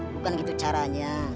bukan gitu caranya